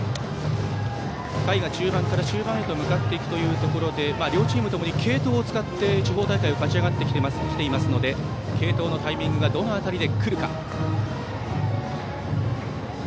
回が中盤から終盤へと向かっていくというところで両チームとも継投を使って地方大会を勝ち上がってきていますので継投のタイミングがどの辺りで来るのか。